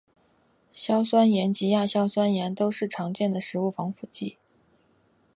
硝酸盐及亚硝酸盐都是常见的食物防腐剂。